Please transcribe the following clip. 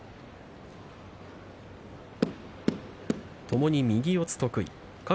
ともに右四つが得意です。